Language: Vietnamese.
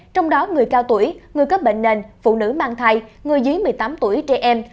trong đó người cao tuổi người có bệnh nền phụ nữ mang thai người dưới một mươi tám tuổi trẻ em